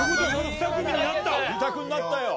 ２択になったよ。